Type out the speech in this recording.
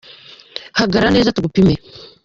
Hagarara neza tugupime.